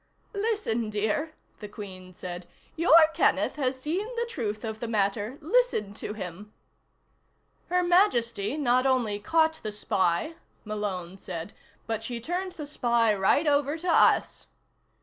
"Listen, dear," the Queen said. "Your Kenneth has seen the truth of the matter. Listen to him." "Her Majesty not only caught the spy," Malone said, "but she turned the spy right over to us."